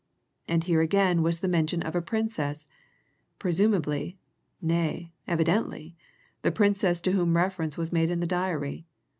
And here again was the mention of a Princess presumably, nay, evidently, the Princess to whom reference was made in the diary.